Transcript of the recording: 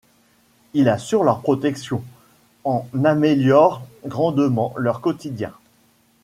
Il assure leur protection, en améliore grandement leur quotidien.